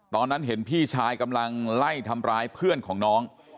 ตอนนั้นเห็นพี่ชายกำลังไล่ทำร้ายเพื่อนของน้อง